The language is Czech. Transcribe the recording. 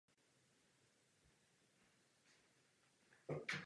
Významná archeologická lokalita.